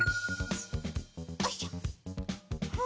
よいしょふ。